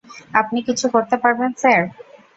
আপনি কিছু করতে পারবেন, স্যার?